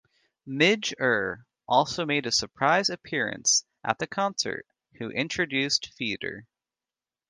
Midge Ure also made a surprise appearance at the concert, who introduced Feeder.